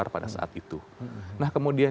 pada saat itu nah kemudian